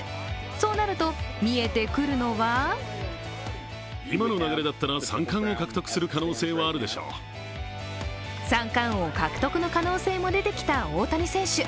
そうなると見えてくるのは３冠王獲得の可能性も出てきた大谷選手。